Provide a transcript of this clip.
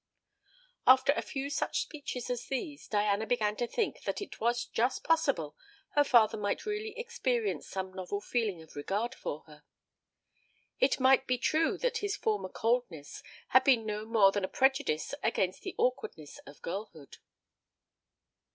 After a few such speeches as these, Diana began to think that it was just possible her father might really experience some novel feeling of regard for her. It might be true that his former coldness had been no more than a prejudice against the awkwardness of girlhood.